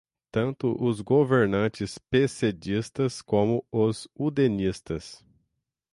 tanto os governantes pessedistas como os udenistas